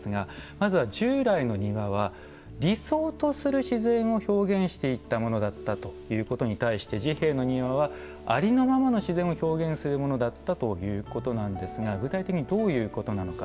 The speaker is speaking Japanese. まずは従来の庭は理想とする自然を表現していったものだったということに対して治兵衛の庭はありのままの自然を表現するものだったということなんですが具体的にどういうことなのか。